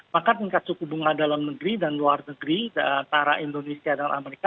maka tingkat suku bunga dalam negeri dan luar negeri antara indonesia dan amerika